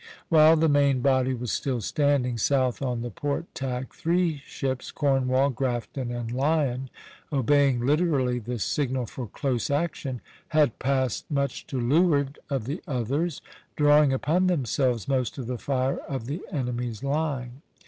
While the main body was still standing south on the port tack, three ships, "Cornwall," "Grafton," and "Lion" (c), obeying literally the signal for close action, had passed much to leeward of the others, drawing upon themselves most of the fire of the enemy's line.